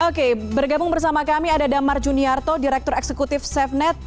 oke bergabung bersama kami ada damar juniarto direktur eksekutif safenet